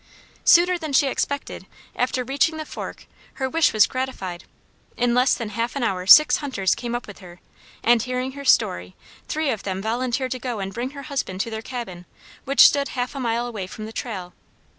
Sooner than she expected, after reaching the fork, her wish was gratified. In less than half an hour six hunters came up with her, and, hearing her story, three of them volunteered to go and bring her husband to their cabin, which stood half a mile away from the trail.